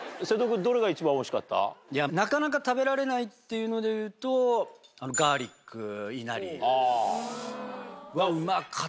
食べて食べて！っていうのでいうとあのガーリックいなりはうまかった。